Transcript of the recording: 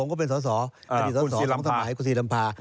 คุณศรีลำภา